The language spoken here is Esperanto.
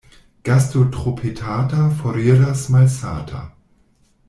Gasto tro petata foriras malsata.